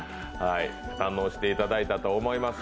堪能していただいたと思います。